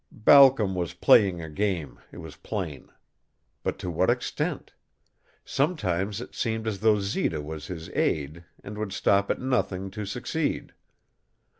Balcom was playing a game, it was plain. But to what extent? Sometimes it seemed as though Zita was his aide and would stop at nothing to succeed.